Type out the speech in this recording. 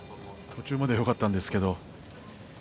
途中まではよかったんですけれども。